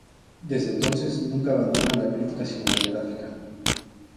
Desde entonces nunca abandona la crítica cinematográfica.